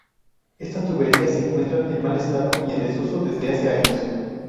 Estas tuberías se encuentran en mal estado y en desuso desde hace años.